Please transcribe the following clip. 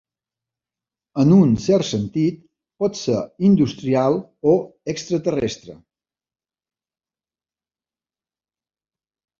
En un cert sentit, pot ser industrial o extraterrestre.